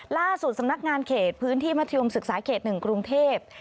ล่าสุดสำนักงานเขตพื้นที่มัธยมศึกษาเขต๑กรุงเทพ